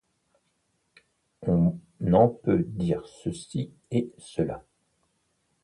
On en peut dire ceci et cela.